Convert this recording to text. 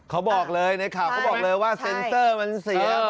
เขาบอกเลยในข่าวเขาบอกเลยว่าเซ็นเซอร์มันเสีย